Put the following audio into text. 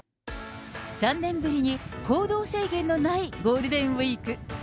３年ぶりに行動制限のないゴールデンウィーク。